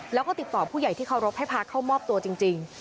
แล้วก็ติดต่อผู้ใหญ่ที่เคารพให้พาเข้ามอบตัวจริง